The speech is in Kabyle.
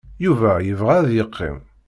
Yuba yebɣa ad yeqqim.